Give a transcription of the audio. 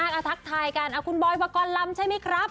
มาทักทายกันบ่อยประกอบลำใช่ไหมครับ